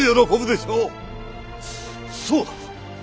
そうだ！